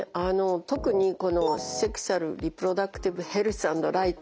特にこの「セクシュアル・リプロダクティブ・ヘルス＆ライツ」